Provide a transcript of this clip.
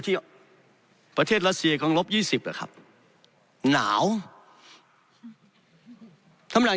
ที่ประเทศรัสเซียของลบยี่สิบอ่ะครับหนาวท่านประธาน